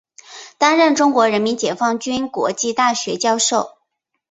担任中国人民解放军国防大学教授。